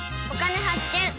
「お金発見」。